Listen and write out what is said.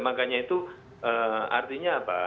makanya itu artinya apa